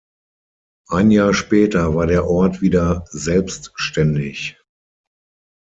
Ein Jahr später war der Ort wieder selbständig.